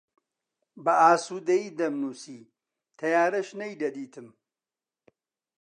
بە ئاسوودەیی دەمنووسی، تەیارەش نەیدەدیتم